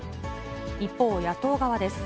一方、野党側です。